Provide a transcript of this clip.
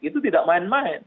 itu tidak main main